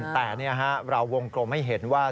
แต่เนี่ยฮะเราวงกลมให้เห็นว่า